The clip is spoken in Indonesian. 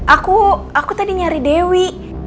aku aku tadi nyari dewi